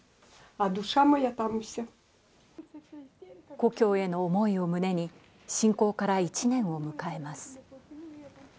故郷への思いを胸に、侵攻から１年を迎えます。